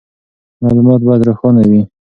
معلومات باید روښانه وي.